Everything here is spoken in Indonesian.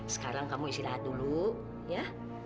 sekarang kamu istirahat dulu ya